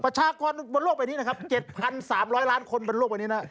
ประชากรบนโลกใบนี้นะครับ๗๓๐๐ล้านคนบนโลกใบนี้นะ